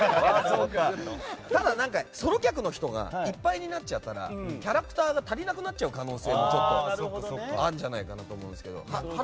ただ、ソロ客の人がいっぱいになっちゃったらキャラクターが足りなくなっちゃう可能性もあるんじゃないかなと。